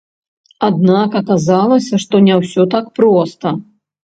Аднак аказалася, што не ўсё так проста.